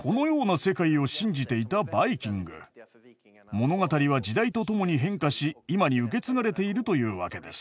物語は時代とともに変化し今に受け継がれているというわけです。